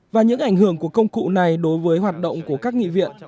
và những ảnh hưởng của công cụ này đối với hoạt động của các nghị viện